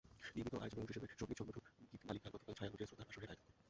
নিয়মিত আয়োজনের অংশ হিসেবে সংগীত সংগঠন গীতমালিকা গতকাল ছায়ানটে শ্রোতার আসরের আয়োজন করে।